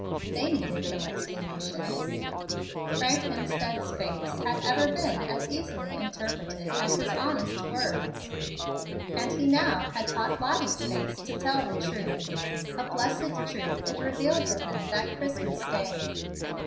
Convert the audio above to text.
They needed no explanations. Frank Hemstead's face had ever been as easily interpreted as his honest words; and he now had taught Lottie's face to tell the truth. A blessed truth it revealed to him that Christmas day.